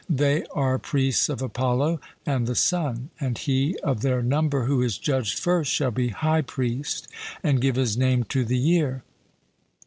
They are priests of Apollo and the Sun, and he of their number who is judged first shall be high priest, and give his name to the year.